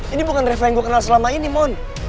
ini bukan reva yang gue kenal selama ini mon